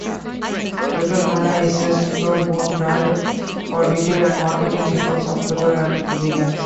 Petro-Canada is a Suncor-owned brand for retail and marketing networks of petrol and lubricants.